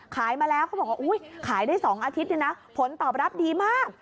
ขายมาแล้วเขาบอกว่าขายได้๒อาทิตย์ผลตอบรับดีมาก